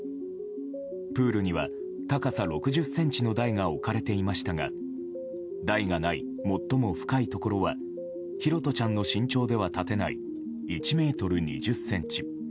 プールには高さ６０ｃｍの台が置かれていましたが台がない最も深いところは拓杜ちゃんの身長では立てない１ｍ２０ｃｍ。